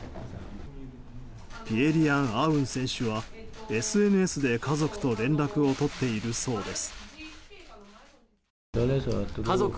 ピエ・リヤン・アウン選手はＳＮＳで家族と連絡を取っているそうです。